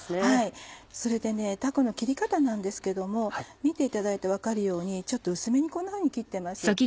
たこの切り方なんですけども見ていただいて分かるようにちょっと薄めにこんなふうに切ってます。